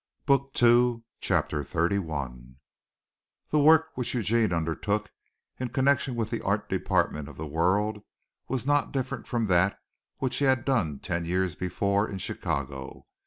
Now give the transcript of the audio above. So she mused. CHAPTER XXXI The work which Eugene undertook in connection with the art department of the World was not different from that which he had done ten years before in Chicago.